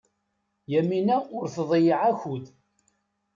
Yamina ur tḍeyyeɛ akud.